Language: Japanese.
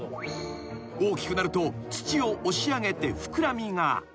［大きくなると土を押し上げて膨らみが］